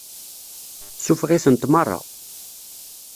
Suffeɣ-itent meṛṛa.